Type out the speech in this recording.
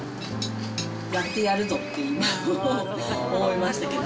やってやるぞって、今、思いましたけど。